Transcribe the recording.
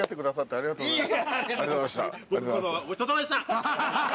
ありがとうございます。